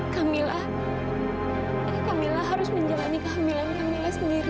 camila camila harus menjalani kehamilan kehamilan sendiri